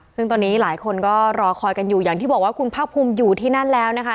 ซึ่งตอนนี้หลายคนก็รอคอยกันอยู่อย่างที่บอกว่าคุณภาคภูมิอยู่ที่นั่นแล้วนะคะ